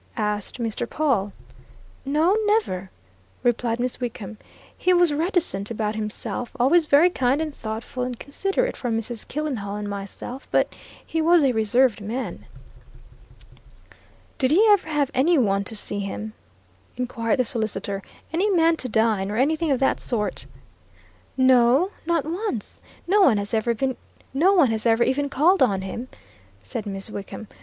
asked Mr. Pawle. "No, never!" replied Miss Wickham. "He was reticent about himself always very kind and thoughtful and considerate for Mrs. Killenhall and myself, but he was a reserved man." "Did he ever have any one to see him?" inquired the solicitor. "Any men to dine, or anything of that sort?" "No not once. No one has ever even called on him," said Miss Wickham.